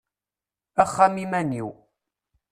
Axxam iman-iw;